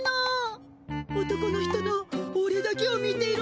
男の人の「オレだけを見ていろ」